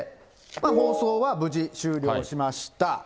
放送は無事終了しました。